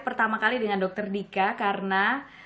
pertama kali dengan dokter dika karena